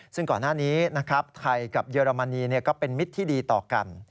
ซึ่งก่อนหน้านี้นะครับไทยกับเยอรมนีก็เป็นมิตรที่ดีต่อกัน